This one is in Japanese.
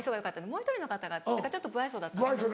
もう１人の方が何かちょっと不愛想だったんですよ。